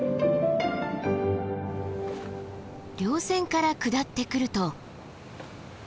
稜線から下ってくると。